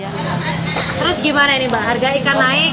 terus gimana ini mbak harga ikan naik